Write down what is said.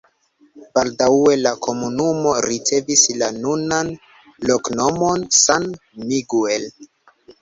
Baldaŭe la komunumo ricevis la nunan loknomon San Miguel.